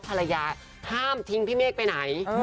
ภรรยาห้ามทิ้งพี่เมฆไปไหน